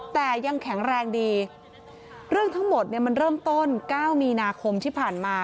แต่ยังแข็งแรงดีเรื่องทั้งหมดเนี่ยมันเริ่มต้น๙มีนาคมที่ผ่านมา